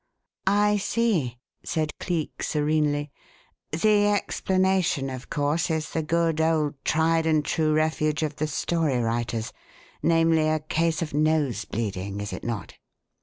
"I see," said Cleek, serenely. "The explanation, of course, is the good, old tried and true refuge of the story writers namely, a case of nose bleeding, is it not?"